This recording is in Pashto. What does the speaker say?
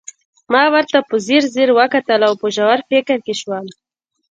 ما ورته په ځیر ځير وکتل او په ژور فکر کې شوم